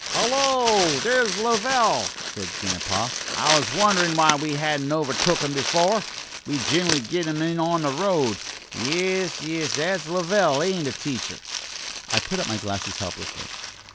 "Hullo, there's Lovell!" exclaimed Grandpa. "I was wonderin' why we hadn't overtook him before. We gin'ally take him in on the road. Yis, yis; that's Lovell, ain't it, teacher?" I put up my glasses, helplessly.